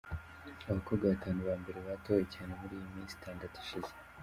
Abakobwa batanu ba mbere batowe cyane muri iyi minsi itandatu ishize:.